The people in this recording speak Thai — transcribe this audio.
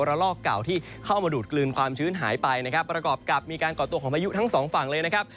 ลอกเก่าที่เข้ามาดูดกลืนความชื้นหายไปนะครับประกอบกับมีการก่อตัวของพายุทั้งสองฝั่งเลยนะครับ